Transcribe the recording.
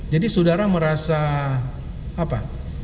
jadi saudara merasa apa